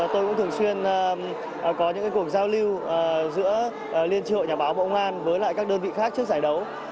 tôi cũng thường xuyên có những cuộc giao lưu giữa liên tri hội nhà báo bộ công an với các đơn vị khác trước giải đấu